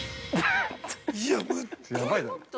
◆やばいだろ。